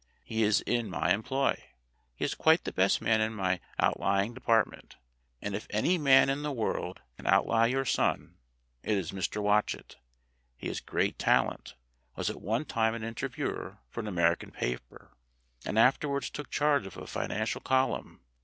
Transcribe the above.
He is in my employ. He is quite the best man in my Out lying Department, and if any man in the world can outlie your son, it is Mr. Watchet. He has great talent was at one time an interviewer for an American paper, and afterwards took charge of a financial col umn.